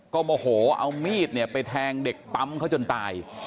ก็โมโหเอามีดเนี่ยไปแทงเด็กปั๊มเขาจนตาย